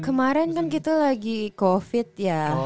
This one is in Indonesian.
kemaren kan gitu lagi covid ya